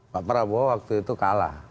pak prabowo waktu itu kalah